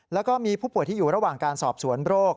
แล้วก็มีผู้ป่วยที่อยู่ระหว่างการสอบสวนโรค